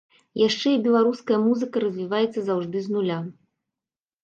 Яшчэ і беларуская музыка развіваецца заўжды з нуля.